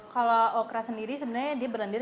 kalau okra sendiri sebenarnya dia berlendir